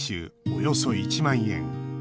およそ１万円。